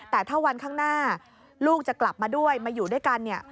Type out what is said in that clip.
แต่ถ้าวันข้างหน้าลูกจะกลับมาด้วยมาอยู่ด้วยกันเนี่ย